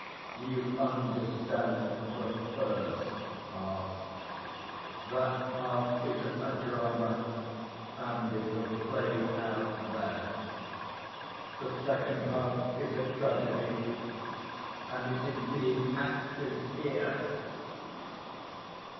"You understand the first half. That half is a drama, and it was played out there. The second half is a tragedy, and it is being acted here."